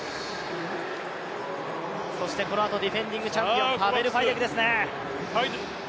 そしてこのあとディフェンディングチャンピオン、パベル・ファイデクですね。